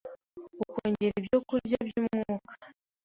ukongera ibyokurya by’umwuka